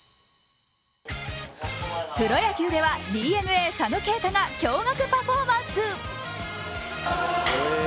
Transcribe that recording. プロ野球ではＤｅＮＡ・佐野恵太が驚がくパフォーマンス。